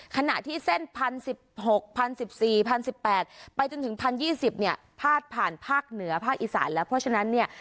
ขณะที่เส้นพันสิบหกพันสิบสี่พันสิบแปดไปจนถึงพันยี่สิบเนี่ยพาดผ่านภาคเหนือภาคอีสานแล้วเพราะฉะนั้นเนี่ย